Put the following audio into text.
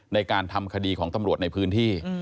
ในการทำคดีของตำรวจในพื้นที่